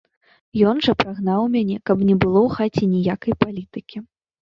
Ён жа прагнаў мяне, каб не было ў хаце ніякай палітыкі!